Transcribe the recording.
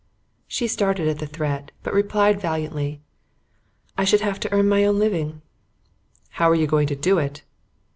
She started at the threat but replied valiantly: "I should have to earn my own living." "How are you going to do it?"